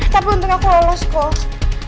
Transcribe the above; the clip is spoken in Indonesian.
tapi untungnya aku lolos kok